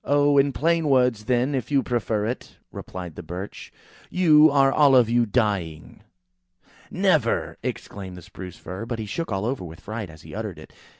"Oh! in plain words, then, if you prefer it," replied the Birch. "You are all of you dying." "Never!" exclaimed the Spruce fir; but he shook all over with fright as he uttered it.